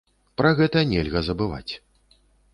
Пра гэта нельга забываць.